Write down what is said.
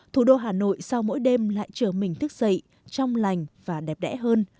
thủ đô hà nội sau mỗi đêm lại chờ mình thức dậy trong lành và đẹp đẽ hơn